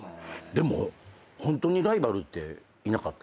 でもホントにライバルっていなかった？